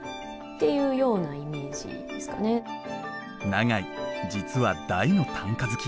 永井実は大の短歌好き。